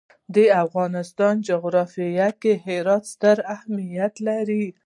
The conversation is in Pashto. د افغانستان جغرافیه کې هرات ستر اهمیت لري.